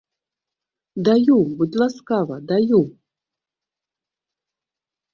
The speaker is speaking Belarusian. Даю, будзь ласкава, даю!